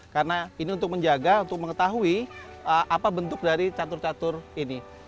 karena ini untuk menjaga untuk mengetahui apa bentuk dari catur catur ini